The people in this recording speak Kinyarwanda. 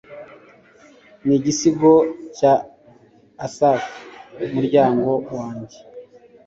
ni igisigo cya asafu muryango wanjye